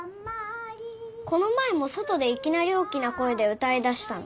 この前も外でいきなり大きな声で歌いだしたの。